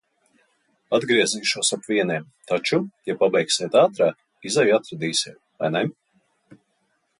Atgriezīšos ap vieniem, taču, ja pabeigsiet agrāk, izeju atradīsiet, vai ne?